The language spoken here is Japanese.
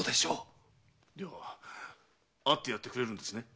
では会ってやってくれるんですね？